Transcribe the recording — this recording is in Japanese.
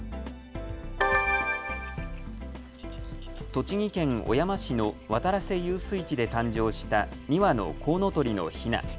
栃木県小山市の渡良瀬遊水地で誕生した２羽のコウノトリのヒナ。